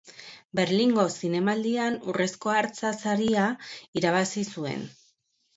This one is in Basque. Berlingo Zinemaldian Urrezko Hartza Saria irabazi zuen.